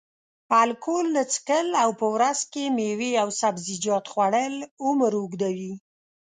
الکول نه څښل او په ورځ کې میوې او سبزیجات خوړل عمر اوږدوي.